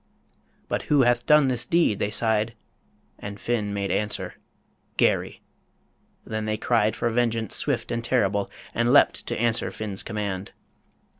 ... "But who hath done this deed?" they sighed; And Finn made answer, "Garry." ... Then they cried For vengeance swift and terrible, and leapt To answer Finn's command.